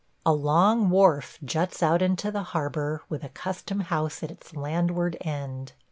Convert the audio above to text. A long wharf juts out into the harbor with a custom house at its landward end.